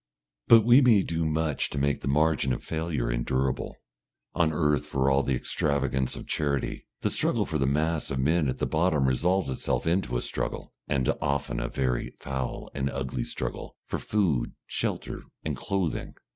But we may do much to make the margin of failure endurable. On earth, for all the extravagance of charity, the struggle for the mass of men at the bottom resolves itself into a struggle, and often a very foul and ugly struggle, for food, shelter, and clothing.